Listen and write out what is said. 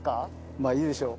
まあいいでしょう。